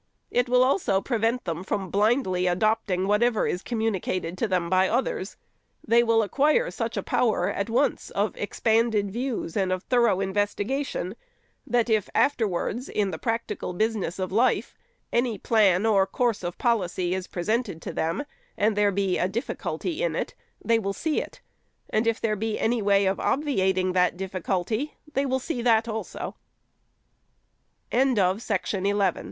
It will also prevent them from blindly adopting whatever is communicated to them by others. They will acquire such a power, at once, of expanded views and of thorough investigation, that if afterwards, in the practical business of life, any plan or course of policy is presented to them, and there be a difficulty in it, they will see it; and if there be